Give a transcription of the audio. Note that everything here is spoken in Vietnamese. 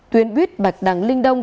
tuyến buýt bạch đằng linh đông